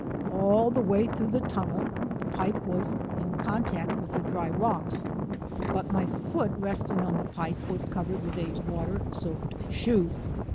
All the way through the tunnel the pipe was in contact with the dry rocks. But my foot resting on the pipe was covered with a water soaked shoe.